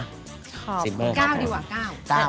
ขอ๙ดีกว่า๙๙